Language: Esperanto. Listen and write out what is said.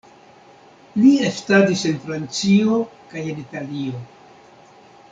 Li estadis en Francio kaj en Italio.